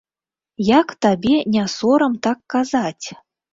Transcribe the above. Як табе не сорам так казаць?